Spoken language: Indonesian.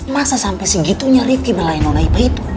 masa sampai segitunya rifqi melayani nona ipa itu